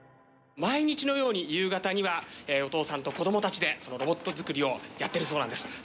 毎日のように夕方にはお父さんと子どもたちでロボット作りをやっているそうなんです。